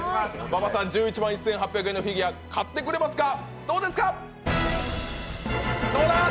馬場さん１１万１８００円のフィギュア買ってくれますか？